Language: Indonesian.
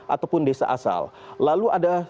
ataupun desa asal lalu ada